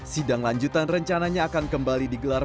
sidang lanjutan rencananya akan kembali digelar